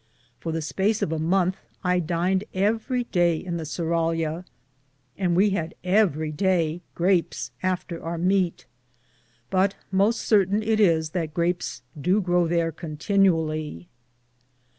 For the space of a monthe I Dined everie day in the Surralia, and we had everie day grapes after our meate ; but moste sartain it is that grapes do grow thare contenually.